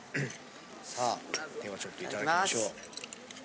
さあではちょっといただきましょう。